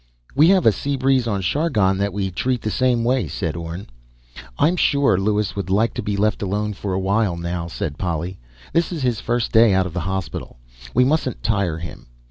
"We have a sea breeze on Chargon that we treat the same way," said Orne. "I'm sure Lewis would like to be left alone for a while now," said Polly. "This is his first day out of the hospital. We mustn't tire him."